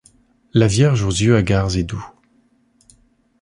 La vierge aux yeux hagards et doux.